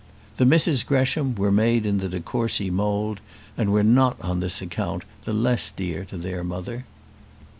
The Misses Gresham were made in the de Courcy mould, and were not on this account the less dear to their mother.